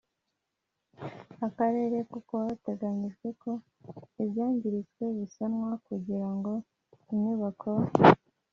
akarere kuko hategerejwe ko ibyangiritse bisanwa kugira ngo inyubako